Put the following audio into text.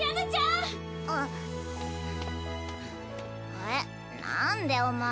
えっなんでお前。